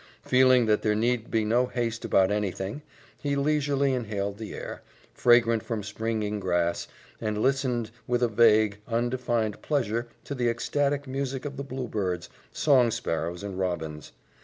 Feeling that there need be no haste about anything, he leisurely inhaled the air, fragrant from springing grass, and listened with a vague, undefined pleasure to the ecstatic music of the bluebirds, song sparrows, and robins.